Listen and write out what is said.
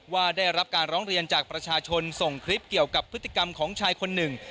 ได้รับการร้องเรียนจากประชาชนส่งคลิปเกี่ยวกับพฤติกรรมของชายคนหนึ่ง